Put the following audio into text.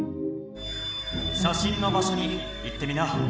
しゃしんの場所に行ってみな。